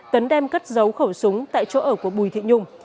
tấn đem cất giấu khẩu súng tại chỗ ở của bùi thị nhung